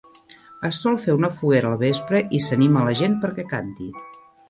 Es sol fer una foguera al vespre i s'anima a la gent per què canti.